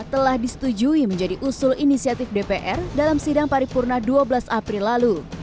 telah disetujui menjadi usul inisiatif dpr dalam sidang paripurna dua belas april lalu